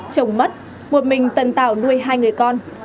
chồng mất một mình tần tảo nuôi hai người con